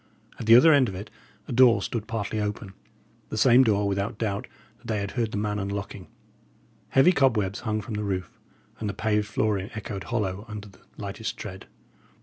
At the other end of it, a door stood partly open; the same door, without doubt, that they had heard the man unlocking. Heavy cobwebs hung from the roof; and the paved flooring echoed hollow under the lightest tread.